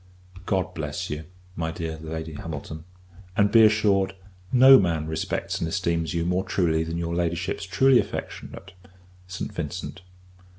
God bless you, my dear Lady Hamilton; and, be assured, no man respects and esteems you more truly than your Ladyship's truly affectionate ST. VINCENT.